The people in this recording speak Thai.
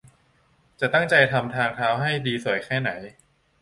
จะตั้งใจทำทางเท้าให้ดีสวยแค่ไหน